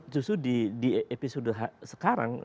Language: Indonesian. justru di episode sekarang